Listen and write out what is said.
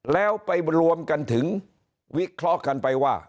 แล้วไปรวมกันถึงวิเคราะห์กันไปว่า